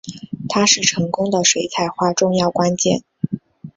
它是成功的水彩画重要关键。